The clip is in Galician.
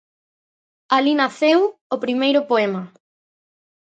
Alí naceu o primeiro poema.